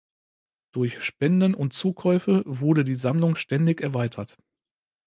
Durch Spenden und Zukäufe wurde die Sammlung ständig erweitert.